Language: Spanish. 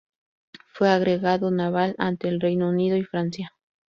Fue agregado naval ante el Reino Unido y Francia.